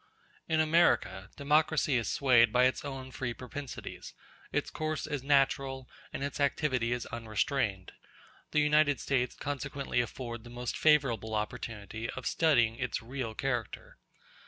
In America, democracy is swayed by its own free propensities; its course is natural and its activity is unrestrained; the United States consequently afford the most favorable opportunity of studying its real character.